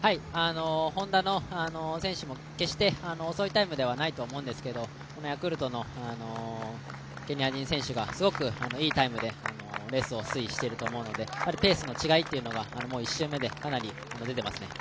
Ｈｏｎｄａの選手も決して遅いタイプの選手ではないんですけどヤクルトのケニア人選手がすごくいいタイムでレースを推移していると思うのでペースの違いというのが１周目でかなり出ていますね。